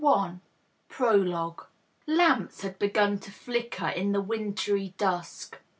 THE PEOLOGUE. LAMPS had begun to flicker in the wintry dusk.